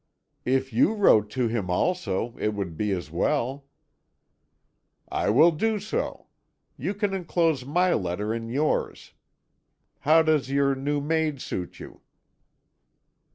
"If you wrote to him, also, it would be as well." "I will do so; you can enclose my letter in yours. How does your new maid suit you?"